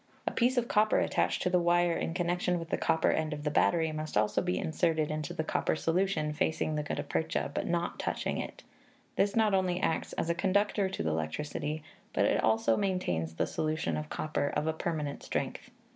A piece of copper attached to the wire in connection with the copper end of the battery must also be inserted into the copper solution facing ihe gutta percha, but not touching it; this not only acts as a conductor to the electricity, but also maintains the solution of copper of a permanent strength.